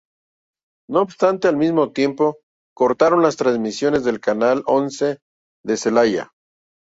No obstante, al mismo tiempo cortaron las transmisiones de Canal Once de Celaya.